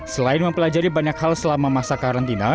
selain mempelajari banyak hal selama masa karantina